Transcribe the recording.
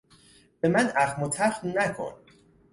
به من اخم و تخم نکن!